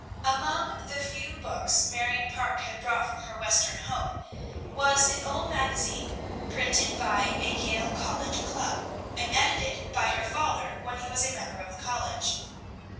Among the few books Marion Parke had brought from her Western home, was an old magazine, printed by a Yale College club, and edited by her father when he was a member of the college.